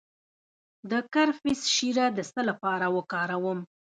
د کرفس شیره د څه لپاره وکاروم؟